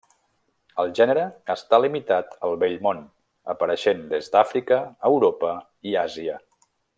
El gènere està limitat al Vell Món, apareixent des d'Àfrica, Europa i Àsia.